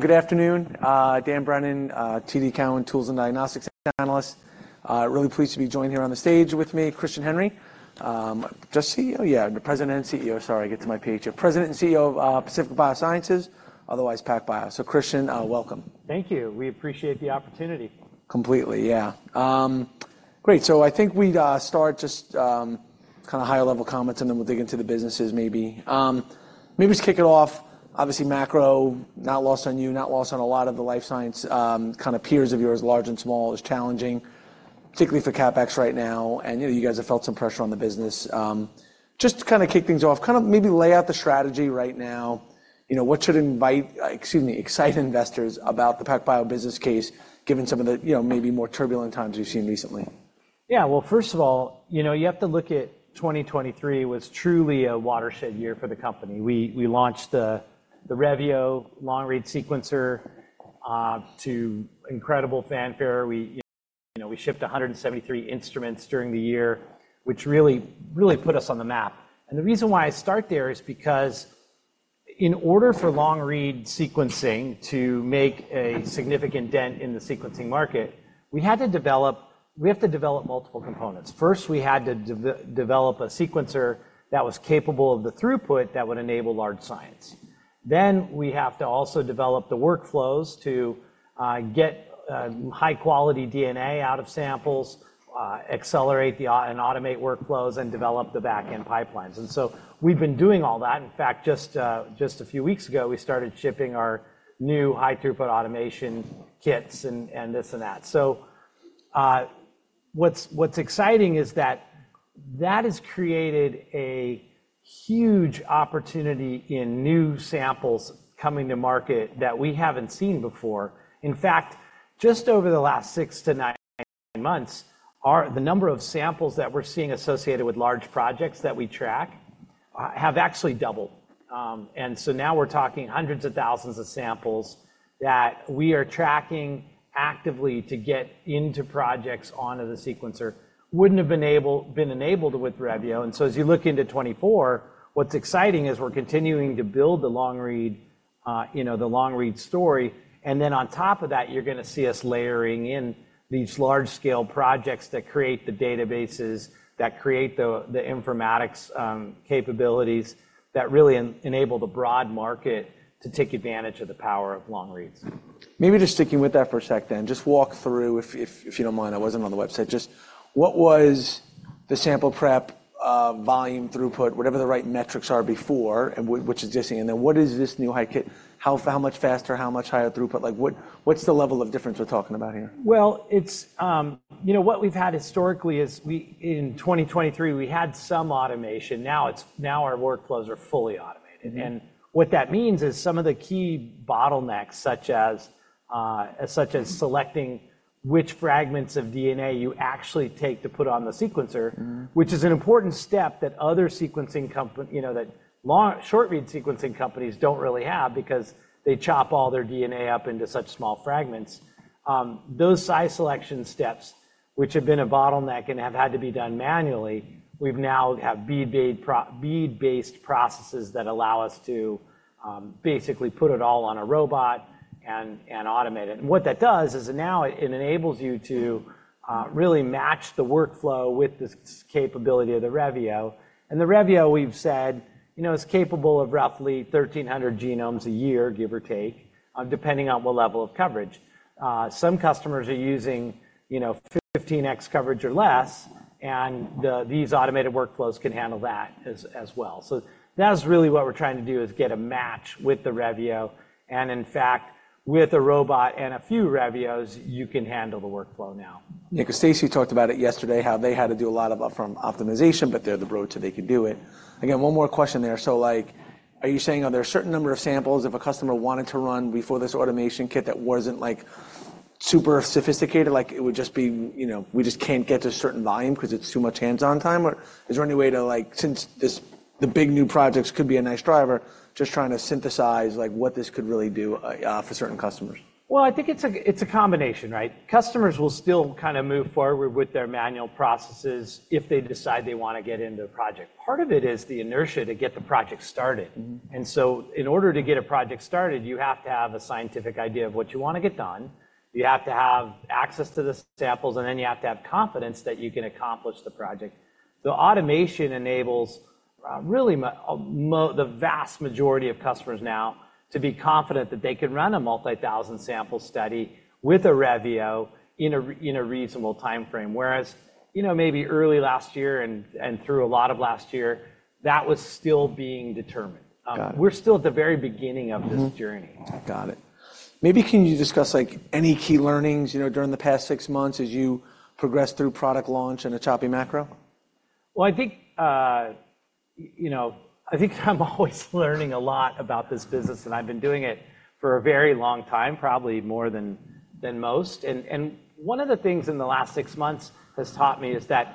Good afternoon. Dan Brennan, TD Cowen Tools and Diagnostics Analyst. Really pleased to be joined here on the stage with me, Christian Henry, president and CEO of Pacific Biosciences, otherwise PacBio. So Christian, welcome. Thank you. We appreciate the opportunity. Completely, yeah. Great. So I think we'd start just kinda higher-level comments, and then we'll dig into the businesses, maybe. Maybe just kick it off, obviously macro, not lost on you, not lost on a lot of the life science kinda peers of yours, large and small, as challenging, particularly for CapEx right now, and, you know, you guys have felt some pressure on the business. Just to kinda kick things off, kinda maybe lay out the strategy right now, you know, what should invite, excuse me, excite investors about the PacBio business case, given some of the, you know, maybe more turbulent times we've seen recently. Yeah. Well, first of all, you know, you have to look at 2023 was truly a watershed year for the company. We launched the Revio long-read sequencer to incredible fanfare. We, you know, you know, we shipped 173 instruments during the year, which really, really put us on the map. And the reason why I start there is because in order for long-read sequencing to make a significant dent in the sequencing market, we have to develop multiple components. First, we had to develop a sequencer that was capable of the throughput that would enable large science. Then we have to also develop the workflows to get high-quality DNA out of samples, accelerate the onboarding and automate workflows, and develop the backend pipelines. And so we've been doing all that. In fact, just a few weeks ago, we started shipping our new high-throughput automation kits and this and that. So, what's exciting is that that has created a huge opportunity in new samples coming to market that we haven't seen before. In fact, just over the last 6-9 months, the number of samples that we're seeing associated with large projects that we track have actually doubled. And so now we're talking hundreds of thousands of samples that we are tracking actively to get into projects onto the sequencer, wouldn't have been able to be enabled with Revio. And so as you look into 2024, what's exciting is we're continuing to build the long-read, you know, the long-read story. And then on top of that, you're gonna see us layering in these large-scale projects that create the databases, that create the informatics capabilities, that really enable the broad market to take advantage of the power of long-reads. Maybe just sticking with that for a sec, then, just walk through, if you don't mind, I wasn't on the website, just what was the sample prep, volume, throughput, whatever the right metrics are before, and which is missing, and then what is this new HiFi kit? How much faster, how much higher throughput? Like, what's the level of difference we're talking about here? Well, it's, you know, what we've had historically is we in 2023, we had some automation. Now it's our workflows are fully automated. Mm-hmm. What that means is some of the key bottlenecks, such as selecting which fragments of DNA you actually take to put on the sequencer. Mm-hmm. Which is an important step that other sequencing companies, you know, that long short-read sequencing companies don't really have because they chop all their DNA up into such small fragments. Those size selection steps, which have been a bottleneck and have had to be done manually, we now have bead-based processes that allow us to basically put it all on a robot and automate it. And what that does is it enables you to really match the workflow with this capability of the Revio. And the Revio, we've said, you know, is capable of roughly 1,300 genomes a year, give or take, depending on what level of coverage. Some customers are using, you know, 15x coverage or less, and these automated workflows can handle that as well. So that's really what we're trying to do, is get a match with the Revio. In fact, with a robot and a few Revios, you can handle the workflow now. Yeah. 'Cause Stacey talked about it yesterday, how they had to do a lot of optimization, but they're the Broad, but they could do it. Again, one more question there. So, like, are you saying, are there a certain number of samples, if a customer wanted to run before this automation kit that wasn't, like, super sophisticated, like, it would just be, you know, we just can't get to a certain volume 'cause it's too much hands-on time? Or is there any way to, like, since this the big new projects could be a nice driver, just trying to synthesize, like, what this could really do, for certain customers? Well, I think it's a combination, right? Customers will still kinda move forward with their manual processes if they decide they wanna get into a project. Part of it is the inertia to get the project started. Mm-hmm. And so in order to get a project started, you have to have a scientific idea of what you wanna get done. You have to have access to the samples, and then you have to have confidence that you can accomplish the project. The automation enables, really the vast majority of customers now to be confident that they can run a multi-thousand-sample study with a Revio in a reasonable timeframe. Whereas, you know, maybe early last year and through a lot of last year, that was still being determined. Got it. We're still at the very beginning of this journey. Got it. Maybe can you discuss, like, any key learnings, you know, during the past six months as you progress through product launch and a choppy macro? Well, I think, you know, I think I'm always learning a lot about this business, and I've been doing it for a very long time, probably more than most. And one of the things in the last 6 months has taught me is that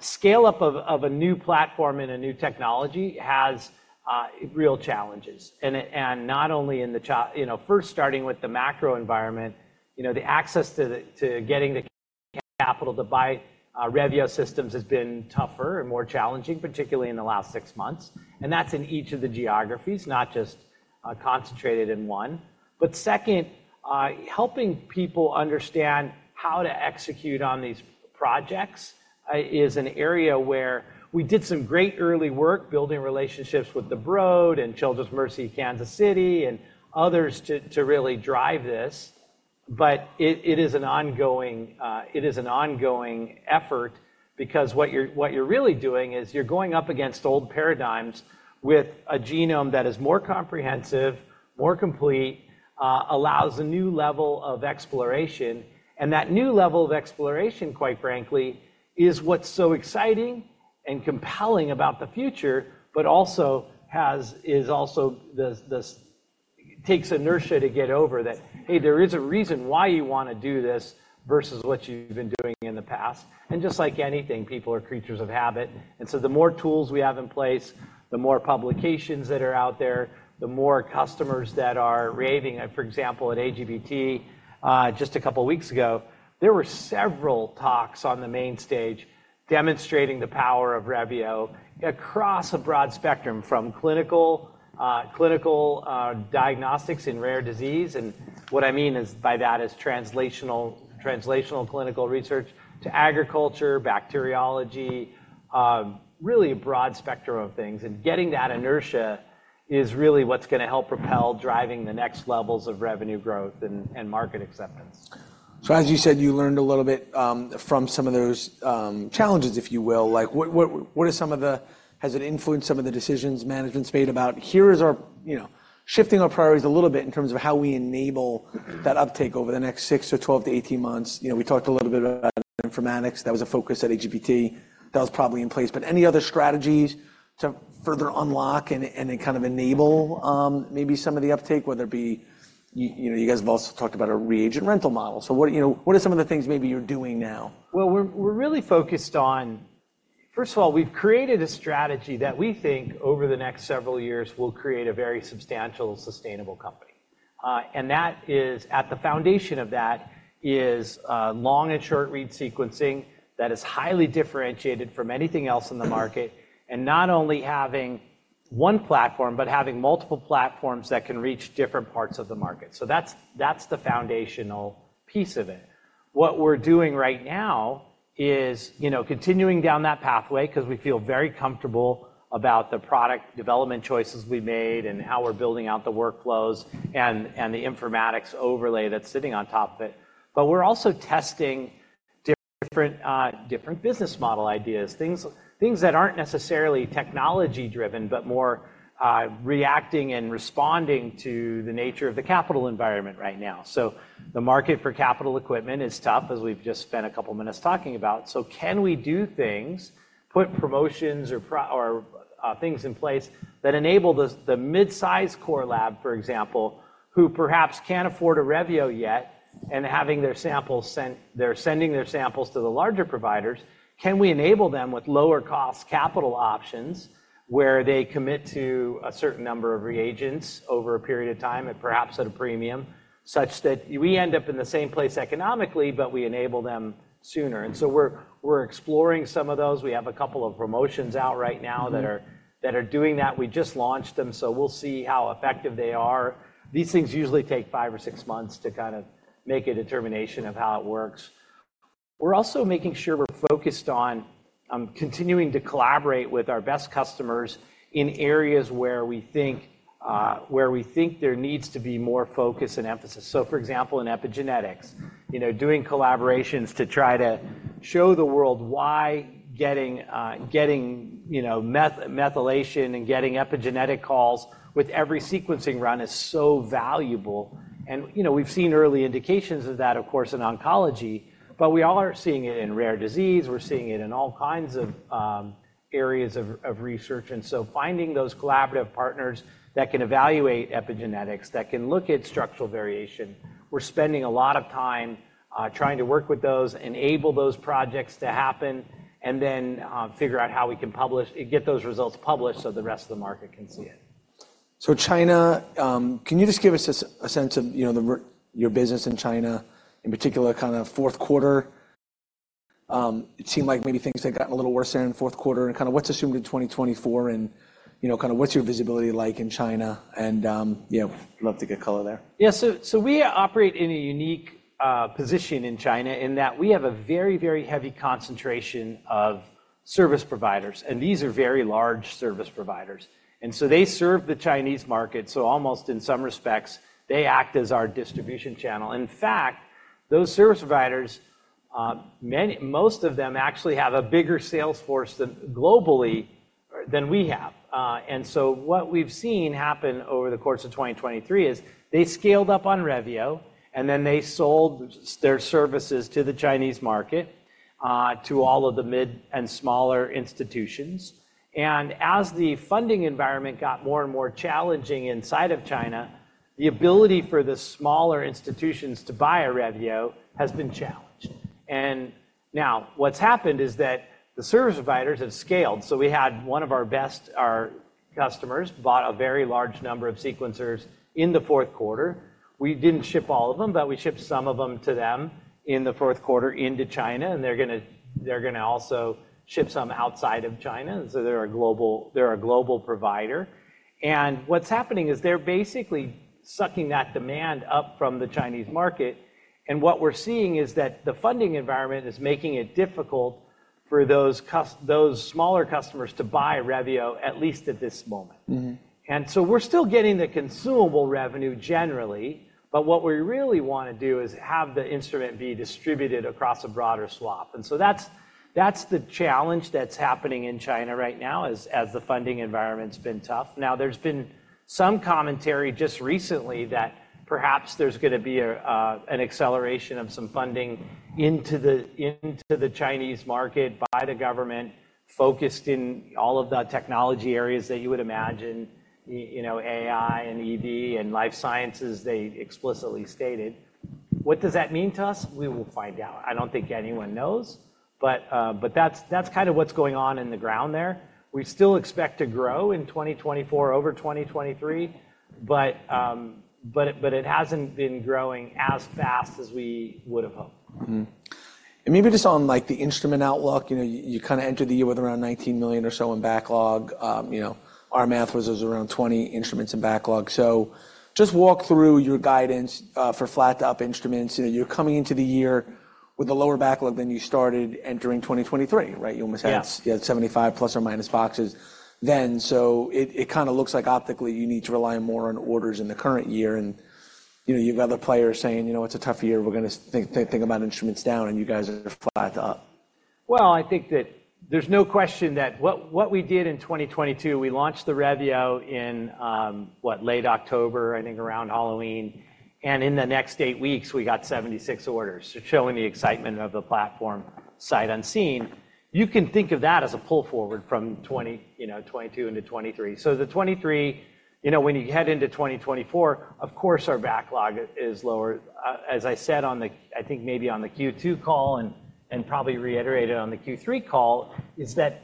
scale-up of a new platform and a new technology has real challenges. And it not only, you know, first, starting with the macro environment, you know, the access to getting the capital to buy Revio systems has been tougher and more challenging, particularly in the last 6 months. And that's in each of the geographies, not just concentrated in one. But second, helping people understand how to execute on these projects is an area where we did some great early work building relationships with the Broad and Children's Mercy Kansas City and others to really drive this. But it is an ongoing effort because what you're really doing is you're going up against old paradigms with a genome that is more comprehensive, more complete, allows a new level of exploration. And that new level of exploration, quite frankly, is what's so exciting and compelling about the future, but also has this inertia to get over that, hey, there is a reason why you wanna do this versus what you've been doing in the past. And just like anything, people are creatures of habit. And so the more tools we have in place, the more publications that are out there, the more customers that are raving. For example, at AGBT, just a couple weeks ago, there were several talks on the main stage demonstrating the power of Revio across a broad spectrum from clinical diagnostics in rare disease. And what I mean by that is translational clinical research to agriculture, bacteriology, really a broad spectrum of things. And getting that inertia is really what's gonna help propel driving the next levels of revenue growth and market acceptance. So as you said, you learned a little bit from some of those challenges, if you will. Like, what are some of the ways it has influenced some of the decisions management's made about, here's our, you know, shifting our priorities a little bit in terms of how we enable that uptake over the next 6 to 12 to 18 months? You know, we talked a little bit about informatics. That was a focus at AGBT. That was probably in place. But any other strategies to further unlock and then kind of enable maybe some of the uptake, whether it be you, you know, you guys have also talked about a reagent rental model. So what, you know, what are some of the things maybe you're doing now? Well, we're really focused on first of all, we've created a strategy that we think over the next several years will create a very substantial, sustainable company. And that is at the foundation of that is long- and short-read sequencing that is highly differentiated from anything else in the market, and not only having one platform but having multiple platforms that can reach different parts of the market. So that's the foundational piece of it. What we're doing right now is, you know, continuing down that pathway 'cause we feel very comfortable about the product development choices we made and how we're building out the workflows and the informatics overlay that's sitting on top of it. But we're also testing different business model ideas, things that aren't necessarily technology-driven but more reacting and responding to the nature of the capital environment right now. So the market for capital equipment is tough, as we've just spent a couple minutes talking about. So can we do things, put promotions or things in place that enable those, the midsize core lab, for example, who perhaps can't afford a Revio yet and having their samples sent they're sending their samples to the larger providers, can we enable them with lower-cost capital options where they commit to a certain number of reagents over a period of time and perhaps at a premium, such that we end up in the same place economically, but we enable them sooner? And so we're exploring some of those. We have a couple of promotions out right now that are doing that. We just launched them, so we'll see how effective they are. These things usually take five or six months to kinda make a determination of how it works. We're also making sure we're focused on continuing to collaborate with our best customers in areas where we think, where we think there needs to be more focus and emphasis. So for example, in epigenetics, you know, doing collaborations to try to show the world why getting, you know, methylation and getting epigenetic calls with every sequencing run is so valuable. And, you know, we've seen early indications of that, of course, in oncology. But we are seeing it in rare disease. We're seeing it in all kinds of areas of research. And so, finding those collaborative partners that can evaluate epigenetics, that can look at structural variation, we're spending a lot of time, trying to work with those, enable those projects to happen, and then, figure out how we can publish it, get those results published so the rest of the market can see it. So, China, can you just give us a sense of, you know, your business in China in particular, kinda fourth quarter? It seemed like maybe things had gotten a little worse there in fourth quarter. And kinda what's assumed in 2024? And, you know, kinda what's your visibility like in China? And, yeah, love to get color there. Yeah. So we operate in a unique position in China in that we have a very, very heavy concentration of service providers. And these are very large service providers. And so they serve the Chinese market. So almost in some respects, they act as our distribution channel. In fact, those service providers, many most of them actually have a bigger sales force than globally or than we have. And so what we've seen happen over the course of 2023 is they scaled up on Revio, and then they sold their services to the Chinese market, to all of the mid and smaller institutions. And as the funding environment got more and more challenging inside of China, the ability for the smaller institutions to buy a Revio has been challenged. And now what's happened is that the service providers have scaled. So we had one of our best customers bought a very large number of sequencers in the fourth quarter. We didn't ship all of them, but we shipped some of them to them in the fourth quarter into China. And they're gonna also ship some outside of China. And so they're a global provider. And what's happening is they're basically sucking that demand up from the Chinese market. And what we're seeing is that the funding environment is making it difficult for those smaller customers to buy Revio, at least at this moment. Mm-hmm. So we're still getting the consumable revenue generally. But what we really wanna do is have the instrument be distributed across a broader swath. And so that's the challenge that's happening in China right now as the funding environment's been tough. Now, there's been some commentary just recently that perhaps there's gonna be an acceleration of some funding into the Chinese market by the government focused in all of the technology areas that you would imagine, you know, AI and EV and life sciences, they explicitly stated. What does that mean to us? We will find out. I don't think anyone knows. But that's kinda what's going on on the ground there. We still expect to grow in 2024 over 2023. But it hasn't been growing as fast as we would have hoped. Mm-hmm. And maybe just on, like, the instrument outlook. You know, you, you kinda entered the year with around $19 million or so in backlog. You know, our math was it was around 20 instruments in backlog. So just walk through your guidance for flat-to-up instruments. You know, you're coming into the year with a lower backlog than you started entering 2023, right? You almost had. Yes. Yeah, ±75 boxes then. So it kinda looks like optically, you need to rely more on orders in the current year. And, you know, you've got other players saying, you know, it's a tough year. We're gonna think, think, think about instruments down, and you guys are flat-to-up. Well, I think that there's no question that what, what we did in 2022, we launched the Revio in, what, late October, I think, around Halloween. In the next 8 weeks, we got 76 orders, so showing the excitement of the platform sight unseen. You can think of that as a pull forward from 20 you know, 2022 into 2023. So the 2023 you know, when you head into 2024, of course, our backlog is lower. As I said on the I think maybe on the Q2 call and, and probably reiterated on the Q3 call is that,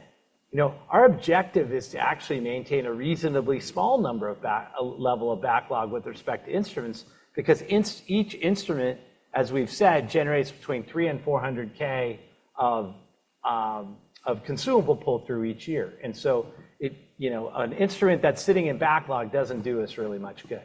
you know, our objective is to actually maintain a reasonably small number of backlog level with respect to instruments because in each instrument, as we've said, generates between $300,000 and $400,000 of consumable pull-through each year. And so, you know, an instrument that's sitting in backlog doesn't do us really much good.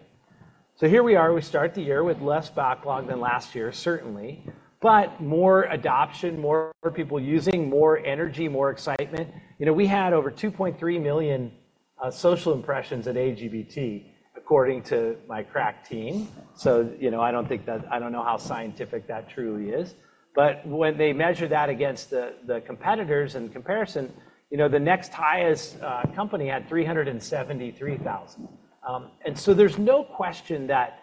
So here we are. We start the year with less backlog than last year, certainly, but more adoption, more people using, more energy, more excitement. You know, we had over 2.3 million social impressions at AGBT, according to my crack team. So, you know, I don't think that I don't know how scientific that truly is. But when they measure that against the competitors in comparison, you know, the next highest company had 373,000. And so there's no question that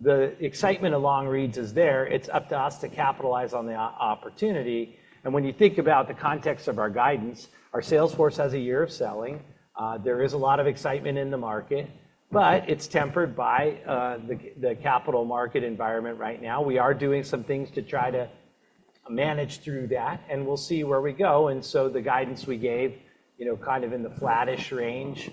the excitement around long reads is there. It's up to us to capitalize on the opportunity. And when you think about the context of our guidance, our sales force has a year of selling. There is a lot of excitement in the market, but it's tempered by the capital market environment right now. We are doing some things to try to manage through that, and we'll see where we go. And so the guidance we gave, you know, kind of in the flattish range,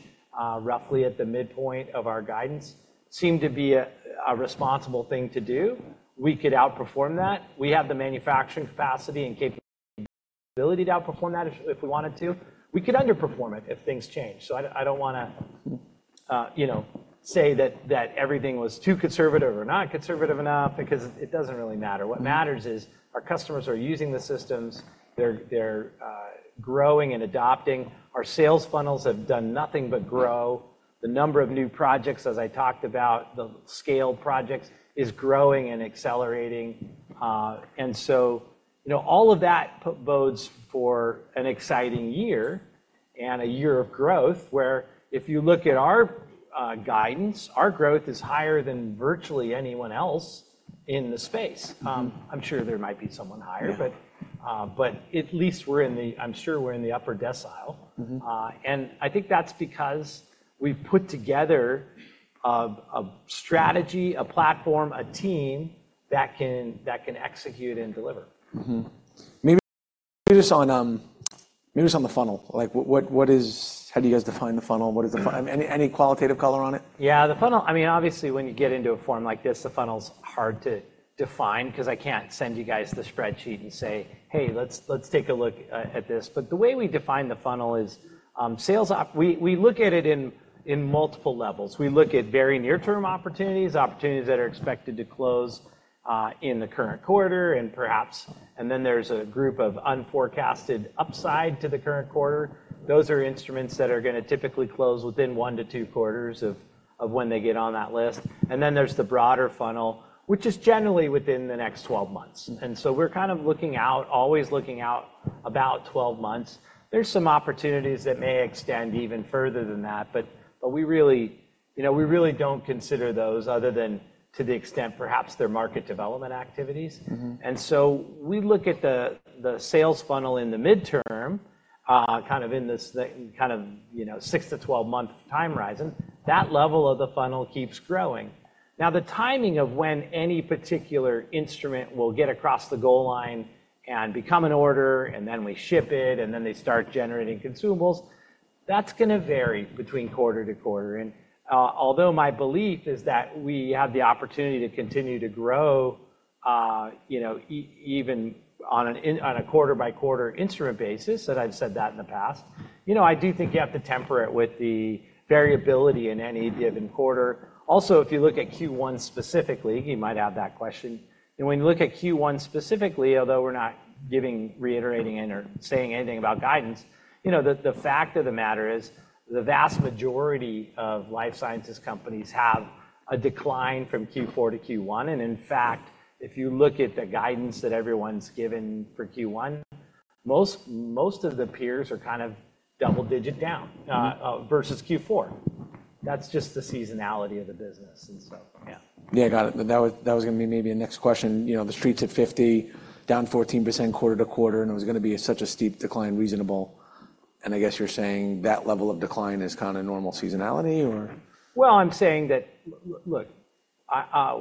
roughly at the midpoint of our guidance, seemed to be a responsible thing to do. We could outperform that. We have the manufacturing capacity and capability to outperform that if we wanted to. We could underperform it if things change. So I don't wanna, you know, say that everything was too conservative or not conservative enough because it doesn't really matter. What matters is our customers are using the systems. They're growing and adopting. Our sales funnels have done nothing but grow. The number of new projects, as I talked about, the scaled projects is growing and accelerating. And so, you know, all of that bodes for an exciting year and a year of growth where if you look at our guidance, our growth is higher than virtually anyone else in the space. I'm sure there might be someone higher, but at least we're in the upper decile. Mm-hmm. I think that's because we've put together a strategy, a platform, a team that can execute and deliver. Mm-hmm. Maybe just on the funnel. Like, what is how do you guys define the funnel? What is the funnel? I mean, any qualitative color on it? Yeah. The funnel, I mean, obviously, when you get into a form like this, the funnel's hard to define 'cause I can't send you guys the spreadsheet and say, "Hey, let's take a look at this." But the way we define the funnel is, sales op, we look at it in multiple levels. We look at very near-term opportunities, opportunities that are expected to close in the current quarter and perhaps, and then there's a group of unforecasted upside to the current quarter. Those are instruments that are gonna typically close within one to two quarters of when they get on that list. And then there's the broader funnel, which is generally within the next 12 months. And so we're kind of always looking out about 12 months. There's some opportunities that may extend even further than that. But we really, you know, we really don't consider those other than to the extent perhaps they're market development activities. Mm-hmm. And so we look at the sales funnel in the midterm, kind of in this kind of, you know, 6-12-month time horizon. That level of the funnel keeps growing. Now, the timing of when any particular instrument will get across the goal line and become an order, and then we ship it, and then they start generating consumables, that's gonna vary between quarter to quarter. And, although my belief is that we have the opportunity to continue to grow, you know, even on a quarter-by-quarter instrument basis and I've said that in the past, you know, I do think you have to temper it with the variability in any given quarter. Also, if you look at Q1 specifically, you might have that question. You know, when you look at Q1 specifically, although we're not giving, reiterating, or saying anything about guidance, you know, the fact of the matter is the vast majority of life sciences companies have a decline from Q4 to Q1. And in fact, if you look at the guidance that everyone's given for Q1, most of the peers are kind of double-digit down, versus Q4. That's just the seasonality of the business. And so yeah. Yeah. Got it. But that was gonna be maybe a next question. You know, the street's at $50, down 14% quarter-over-quarter, and it was gonna be such a steep decline, reasonable. And I guess you're saying that level of decline is kinda normal seasonality, or? Well, I'm saying that look,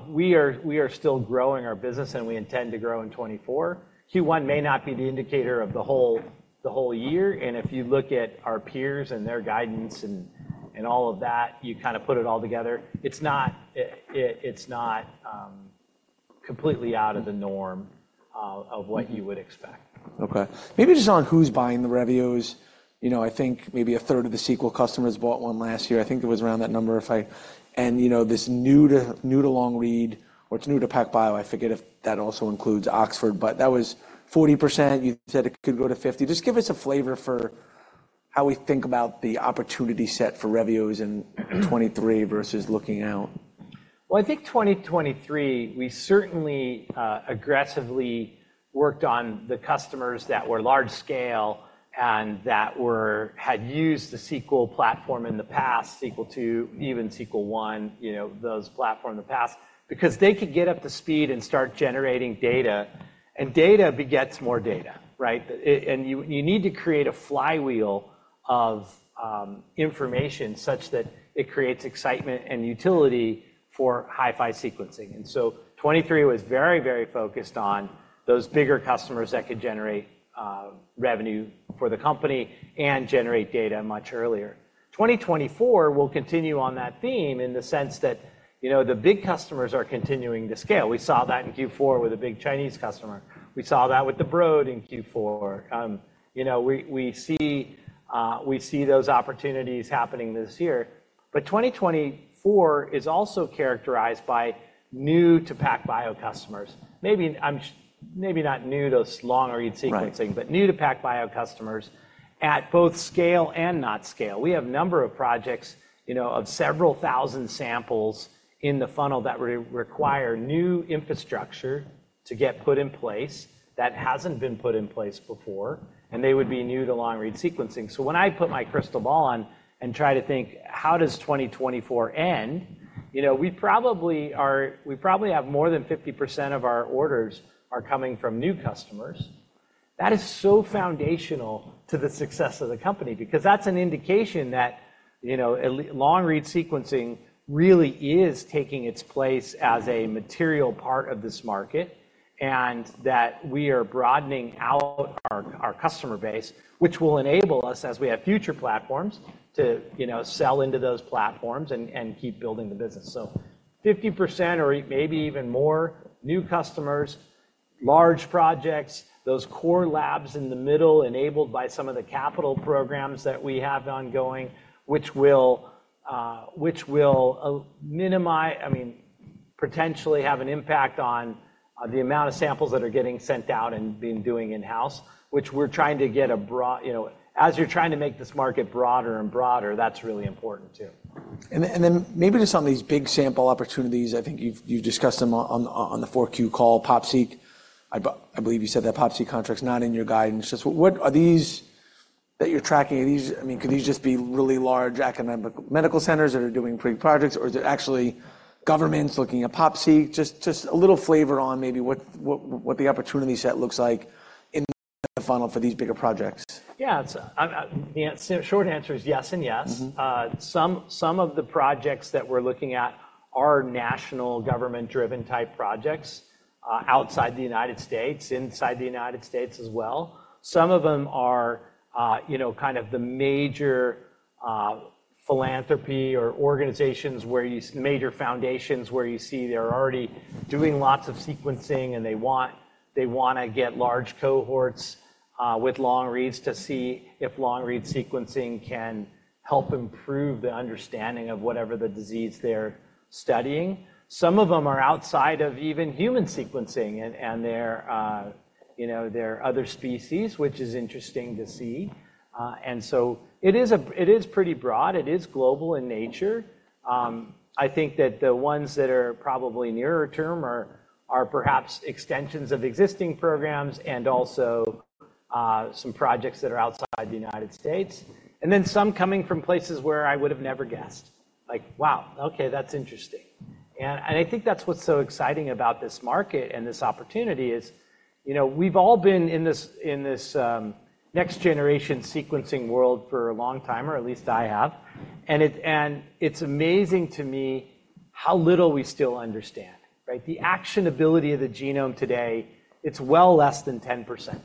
we are still growing our business, and we intend to grow in 2024. Q1 may not be the indicator of the whole year. And if you look at our peers and their guidance and all of that, you kinda put it all together, it's not it, it's not completely out of the norm of what you would expect. Okay. Maybe just on who's buying the Revios. You know, I think maybe a third of the Sequel customers bought 1 last year. I think it was around that number, if I and, you know, this new to new to long-read or it's new to PacBio. I forget if that also includes Oxford. But that was 40%. You said it could go to 50. Just give us a flavor for how we think about the opportunity set for Revios in 2023 versus looking out. Well, I think 2023, we certainly aggressively worked on the customers that were large-scale and that had used the Sequel platform in the past, Sequel II, even Sequel I, you know, those platforms in the past because they could get up to speed and start generating data. And data begets more data, right? I - and you need to create a flywheel of information such that it creates excitement and utility for HiFi sequencing. And so 2023 was very, very focused on those bigger customers that could generate revenue for the company and generate data much earlier. 2024 will continue on that theme in the sense that, you know, the big customers are continuing to scale. We saw that in Q4 with a big Chinese customer. We saw that with the Broad in Q4. You know, we see those opportunities happening this year. But 2024 is also characterized by new to PacBio customers. Maybe I'm maybe not new to long-read sequencing. Right. But new to PacBio customers at both scale and not scale. We have a number of projects, you know, of several thousand samples in the funnel that require new infrastructure to get put in place that hasn't been put in place before. And they would be new to long-read sequencing. So when I put my crystal ball on and try to think, "How does 2024 end?" you know, we probably have more than 50% of our orders are coming from new customers. That is so foundational to the success of the company because that's an indication that, you know, long-read sequencing really is taking its place as a material part of this market and that we are broadening out our customer base, which will enable us, as we have future platforms, to, you know, sell into those platforms and keep building the business. So 50% or maybe even more new customers, large projects, those core labs in the middle enabled by some of the capital programs that we have ongoing, which will minimize, I mean, potentially have an impact on the amount of samples that are getting sent out and being done in-house, which we're trying to get a broader, you know, as you're trying to make this market broader and broader, that's really important too. And then maybe just on these big sample opportunities, I think you've discussed them on, on the 4Q call, PopSeq. I believe you said that PopSeq contract's not in your guidance. Just what are these that you're tracking, are these I mean, could these just be really large academic medical centers that are doing big projects, or is it actually governments looking at PopSeq? Just a little flavor on maybe what the opportunity set looks like in the funnel for these bigger projects. Yeah. It's the answer. Short answer is yes and yes. Mm-hmm. Some of the projects that we're looking at are national government-driven type projects, outside the United States, inside the United States as well. Some of them are, you know, kind of the major philanthropy or organizations where you see major foundations where you see they're already doing lots of sequencing, and they wanna get large cohorts with long-reads to see if long-read sequencing can help improve the understanding of whatever the disease they're studying. Some of them are outside of even human sequencing, and they're, you know, other species, which is interesting to see. It is pretty broad. It is global in nature. I think that the ones that are probably nearer term are perhaps extensions of existing programs and also, some projects that are outside the United States, and then some coming from places where I would have never guessed. Like, "Wow. Okay. That's interesting." And I think that's what's so exciting about this market and this opportunity is, you know, we've all been in this next-generation sequencing world for a long time, or at least I have. And it's amazing to me how little we still understand, right? The actionability of the genome today, it's well less than 10%.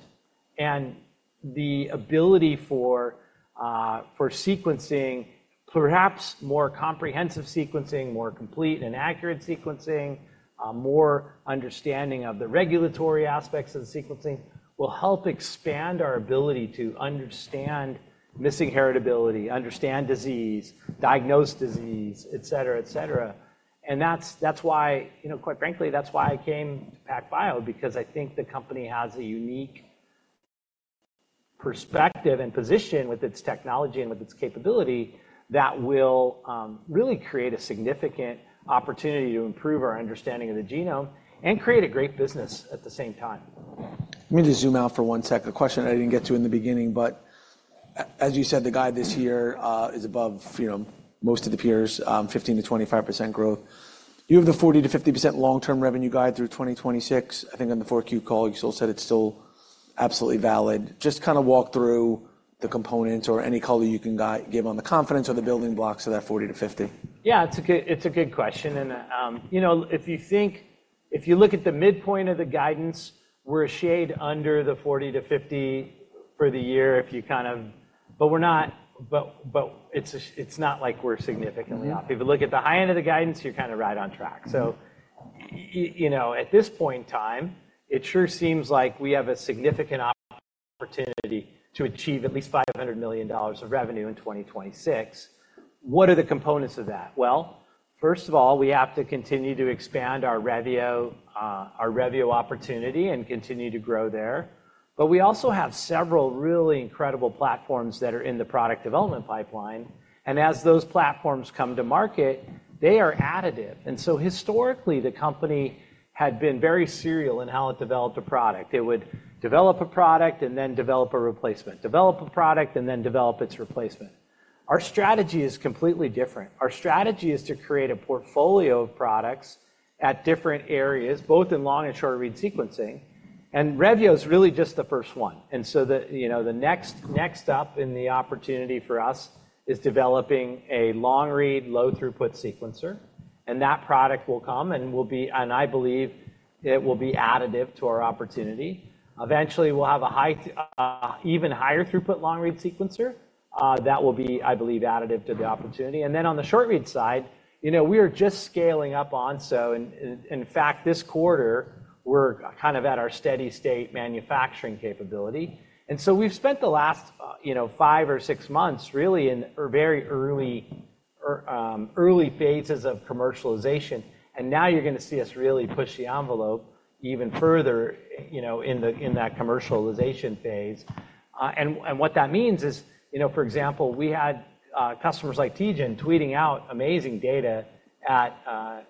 And the ability for sequencing, perhaps more comprehensive sequencing, more complete and accurate sequencing, more understanding of the regulatory aspects of the sequencing will help expand our ability to understand missing heritability, understand disease, diagnose disease, etc., etc. That's, that's why you know, quite frankly, that's why I came to PacBio because I think the company has a unique perspective and position with its technology and with its capability that will, really create a significant opportunity to improve our understanding of the genome and create a great business at the same time. Let me just zoom out for 1 sec. A question I didn't get to in the beginning, but as you said, the guide this year is above, you know, most of the peers, 15%-25% growth. You have the 40%-50% long-term revenue guide through 2026. I think on the 4Q call, you still said it's still absolutely valid. Just kinda walk through the components or any color you can guide give on the confidence or the building blocks of that 40%-50%. Yeah. It's a good question. And, you know, if you look at the midpoint of the guidance, we're a shade under the $40 million-$50 million for the year, but we're not, but it's not like we're significantly off. If you look at the high end of the guidance, you're kinda right on track. So you know, at this point in time, it sure seems like we have a significant opportunity to achieve at least $500 million of revenue in 2026. What are the components of that? Well, first of all, we have to continue to expand our Revio opportunity and continue to grow there. But we also have several really incredible platforms that are in the product development pipeline. And as those platforms come to market, they are additive. And so historically, the company had been very serial in how it developed a product. It would develop a product and then develop a replacement, develop a product and then develop its replacement. Our strategy is completely different. Our strategy is to create a portfolio of products at different areas, both in long and short-read sequencing. And Revio's really just the first one. And so, you know, the next up in the opportunity for us is developing a long-read, low-throughput sequencer. And that product will come and will be and I believe it will be additive to our opportunity. Eventually, we'll have an even higher-throughput long-read sequencer, that will be, I believe, additive to the opportunity. And then on the short-read side, you know, we are just scaling up. So in fact, this quarter, we're kind of at our steady-state manufacturing capability. And so we've spent the last, you know, five or six months really in very early phases of commercialization. And now you're gonna see us really push the envelope even further, you know, in that commercialization phase. And what that means is, you know, for example, we had customers like TGen tweeting out amazing data at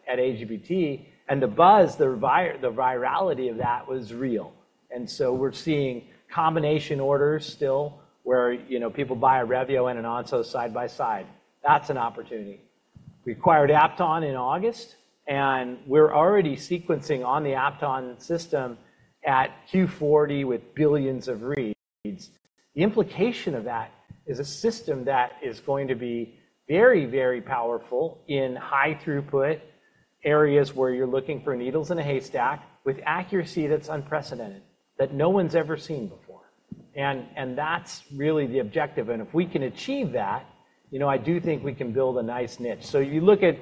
AGBT. And the buzz, the virality of that was real. And so we're seeing combination orders still where, you know, people buy a Revio and an Onso side by side. That's an opportunity. We acquired Apton in August, and we're already sequencing on the Apton system at Q40 with billions of reads. The implication of that is a system that is going to be very, very powerful in high-throughput areas where you're looking for needles in a haystack with accuracy that's unprecedented, that no one's ever seen before. And that's really the objective. And if we can achieve that, you know, I do think we can build a nice niche. So you look at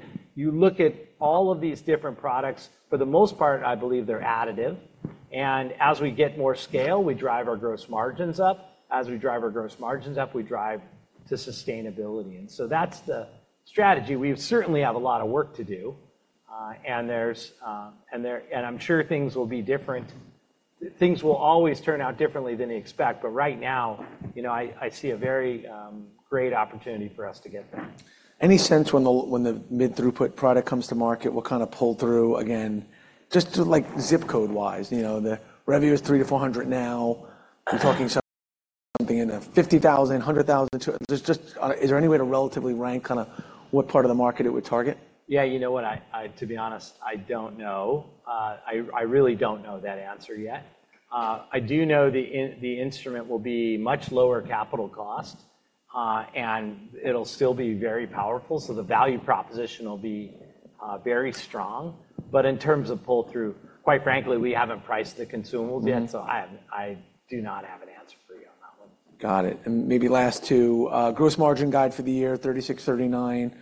all of these different products. For the most part, I believe they're additive. And as we get more scale, we drive our gross margins up. As we drive our gross margins up, we drive to sustainability. And so that's the strategy. We certainly have a lot of work to do. And there's, and there, and I'm sure things will be different. Things will always turn out differently than you expect. But right now, you know, I, I see a very great opportunity for us to get there. Any sense when the mid-throughput product comes to market, what kinda pull-through again? Just, like, zip code-wise, you know, the Revio's $3-$400 now. We're talking something in the $50,000-$100,000. Is there any way to relatively rank kinda what part of the market it would target? Yeah. You know what? To be honest, I don't know. I really don't know that answer yet. I do know that the instrument will be much lower capital cost, and it'll still be very powerful. So the value proposition will be very strong. But in terms of pull-through, quite frankly, we haven't priced the consumables yet. Okay. I do not have an answer for you on that one. Got it. Maybe last two, gross margin guide for the year, 36%-39%,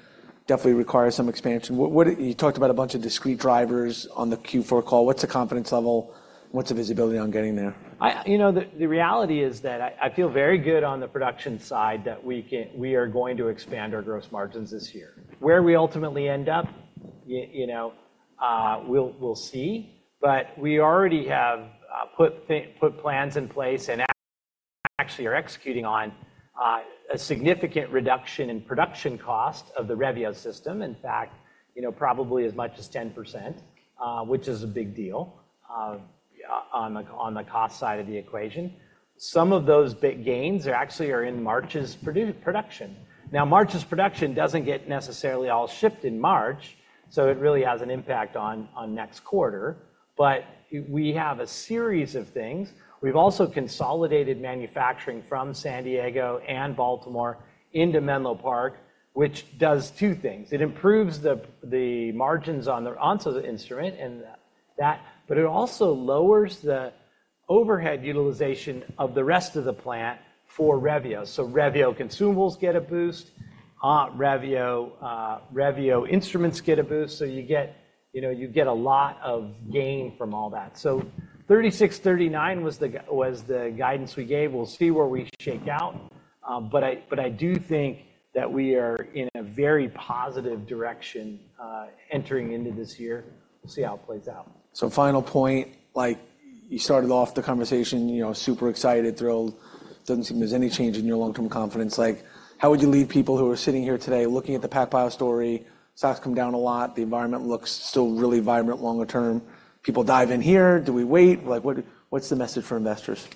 definitely requires some expansion. What, what you talked about a bunch of discrete drivers on the Q4 call. What's the confidence level? What's the visibility on getting there? You know, the reality is that I feel very good on the production side that we are going to expand our gross margins this year. Where we ultimately end up, you know, we'll see. But we already have put plans in place and actually are executing on a significant reduction in production cost of the Revio system. In fact, you know, probably as much as 10%, which is a big deal on the cost side of the equation. Some of those gains are actually in March's production. Now, March's production doesn't get necessarily all shipped in March, so it really has an impact on next quarter. But we have a series of things. We've also consolidated manufacturing from San Diego and Baltimore into Menlo Park, which does two things. It improves the margins on the Onso instrument and that but it also lowers the overhead utilization of the rest of the plant for Revio. So Revio consumables get a boost. Revio instruments get a boost. So you get, you know, you get a lot of gain from all that. So 36, 39 was the guidance we gave. We'll see where we shake out. But I do think that we are in a very positive direction, entering into this year. We'll see how it plays out. So, final point. Like, you started off the conversation, you know, super excited, thrilled. Doesn't seem there's any change in your long-term confidence. Like, how would you lead people who are sitting here today looking at the PacBio story? Stocks come down a lot. The environment looks still really vibrant longer term. People dive in here. Do we wait? Like, what's the message for investors?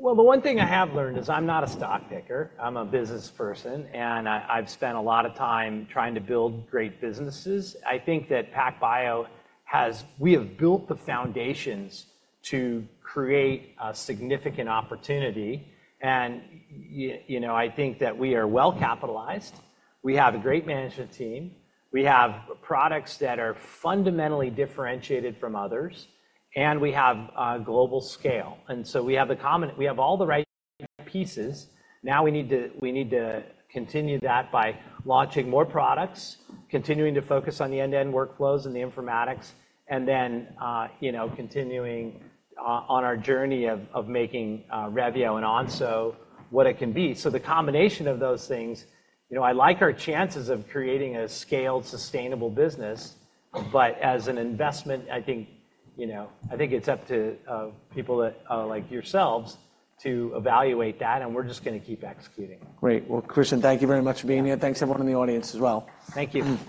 Well, the one thing I have learned is I'm not a stock picker. I'm a business person. And I've spent a lot of time trying to build great businesses. I think that PacBio has. We have built the foundations to create a significant opportunity. And you know, I think that we are well-capitalized. We have a great management team. We have products that are fundamentally differentiated from others. And we have global scale. And so we have. We have all the right pieces. Now we need to continue that by launching more products, continuing to focus on the end-to-end workflows and the informatics, and then, you know, continuing on our journey of making Revio and Onso what it can be. So the combination of those things you know, I like our chances of creating a scaled, sustainable business. But as an investment, I think you know, I think it's up to people that like yourselves, to evaluate that. And we're just gonna keep executing. Great. Well, Christian, thank you very much for being here. Thanks to everyone in the audience as well. Thank you.